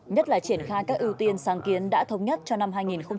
nhất là triển khai các ưu tiên sáng kiến đã thống nhất cho năm hai nghìn hai mươi